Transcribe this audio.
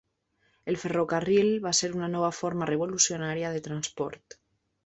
El ferrocarril va ser una nova forma revolucionària de transport.